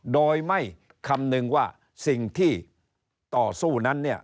โดยไม่คำนึงว่าสิ่งที่ต่อสู้นั้นเนี่ย